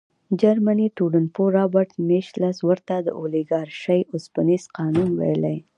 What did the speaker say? جرمني ټولنپوه رابرټ میشلز ورته د اولیګارشۍ اوسپنیز قانون ویلي.